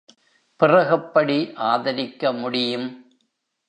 பிறகெப்படி ஆதரிக்க முடியும்?